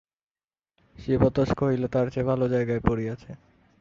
শিবতোষ কহিল, তার চেয়ে ভালো জায়গায় পড়িয়াছে।